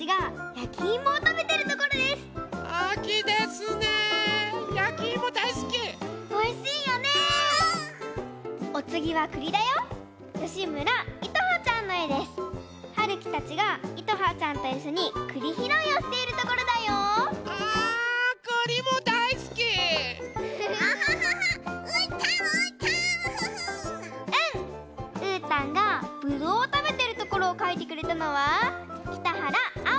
うーたんがぶどうをたべてるところをかいてくれたのはきたはらあ